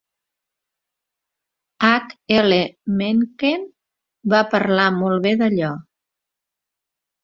H. L. Mencken va parlar mol bé d'allò.